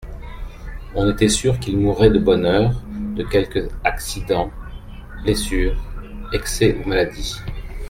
On était sûr qu'il mourrait de bonne heure de quelque accident, blessure, excès ou maladie.